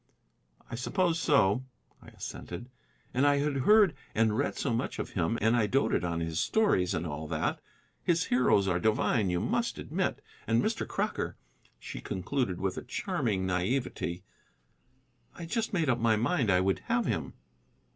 "I suppose so," I assented. "And I had heard and read so much of him, and I doted on his stories, and all that. His heroes are divine, you must admit. And, Mr. Crocker," she concluded with a charming naivety, "I just made up my mind I would have him."